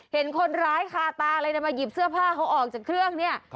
เห็นคนร้ายคาตาเลยนะมาหยิบเสื้อผ้าเขาออกจากเครื่องเนี่ย